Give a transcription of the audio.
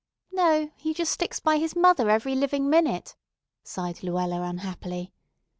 "No, he just sticks by his mother every living minute," sighed Luella unhappily.